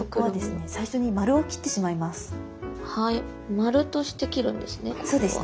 丸として切るんですね